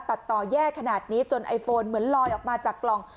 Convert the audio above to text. ตัดต่อแย่ขนาดนี้จนไอโฟนเหมือนลอยออกมาจากกล่อง